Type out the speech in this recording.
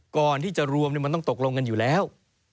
ก่อนที่จะรวมมันต้องตกลงกันอยู่แล้ว